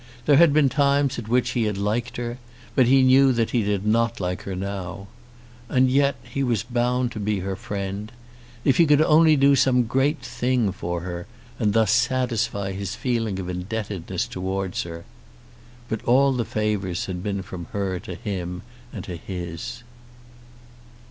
There had been times at which he had liked her, but he knew that he did not like her now. And yet he was bound to be her friend! If he could only do some great thing for her, and thus satisfy his feeling of indebtedness towards her! But all the favours had been from her to him and his.